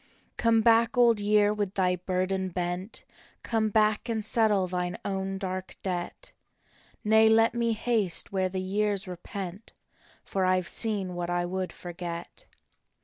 " Come back, Old Year, with thy burden bent. Come back and settle thine own dark debt." " Nay, let me haste where the years repent, For I ve seen what I would forget."